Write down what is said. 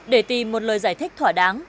để tìm một lời giải thích thỏa đáng